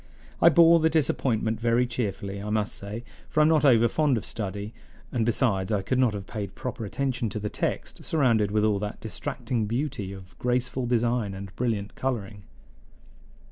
I bore the disappointment very cheerfully, I must say, for I am not over fond of study; and, besides, I could not have paid proper attention to the text, surrounded with all that distracting beauty of graceful design and brilliant coloring.